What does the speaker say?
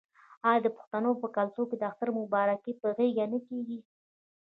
آیا د پښتنو په کلتور کې د اختر مبارکي په غیږ نه کیږي؟